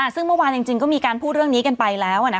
ซึ่งเมื่อวานจริงก็มีการพูดเรื่องนี้กันไปแล้ว